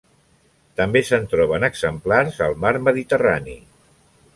També se'n troben exemplars al Mar Mediterrani.